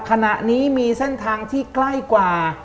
ขณะนี้มีเส้นทางที่ใกล้กว่า